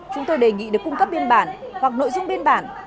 chúng tôi đề nghị được cung cấp biên bản hoặc nội dung biên bản